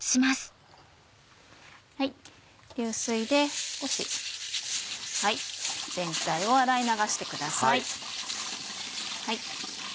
流水で少し全体を洗い流してください。